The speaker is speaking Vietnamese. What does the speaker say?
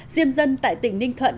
diêm dân tại tỉnh ninh thuận